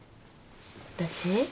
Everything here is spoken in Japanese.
私？